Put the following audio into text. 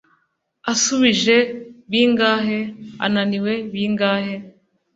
usubije bingahe ? unaniwe bingahe ?